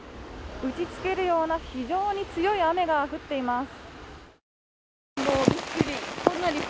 打ち付けるような非常に強い雨が降っています。